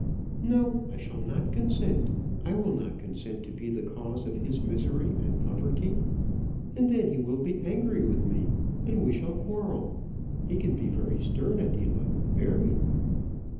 "No, I shall not consent; I will not consent to be the cause of his misery and poverty; and then he will be angry with me, and we shall quarrel. He can be very stern, Adela; very."